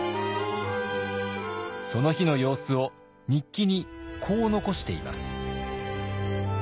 その日の様子を日記にこう残しています。